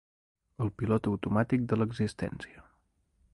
El pilot automàtic de l'existència.